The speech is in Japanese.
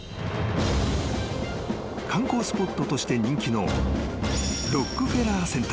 ［観光スポットとして人気の］